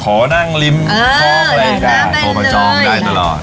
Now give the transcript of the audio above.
ขอนั่งริมท้องเลยค่ะโทรมาจองได้ตลอด